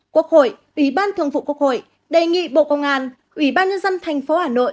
quốc hội ủy ban thường vụ quốc hội đề nghị bộ công an ủy ban nhân dân tp hà nội